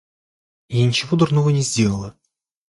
Я ничего дурного не сделала.